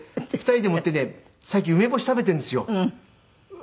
２人でもってね最近梅干し食べているんですよ。